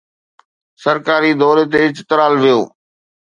سرڪاري دوري تي چترال ويو